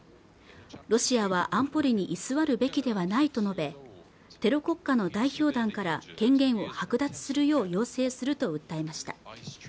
ロシアは安保理に居座るべきではないと述べテロ国家の代表団から権限を剥奪するよう要請すると訴えました